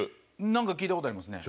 何か聞いたことありますね。